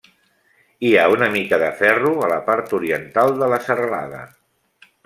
Hi ha una mica de ferro a la part oriental de la serralada.